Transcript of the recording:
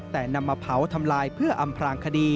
แต่นำมาเผาทำลายเพื่ออำพลางคดี